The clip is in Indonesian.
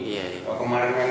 kalau kemarin saya roh